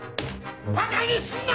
バカにすんな！